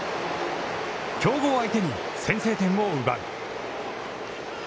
強豪相手に、先制点を奪う。